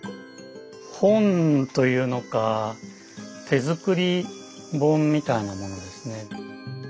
本というのか手作り本みたいなものですね。